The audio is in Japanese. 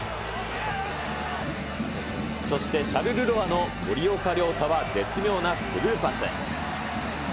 そしてシャルルロワの森岡亮太は、絶妙なスルーパス。